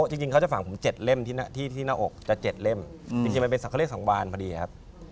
จริงเขาจะฝังผม๗เล่มที่หน้าอกจะ๗เล่มจริงมันเป็นสักเลขสังวานพอดีครับ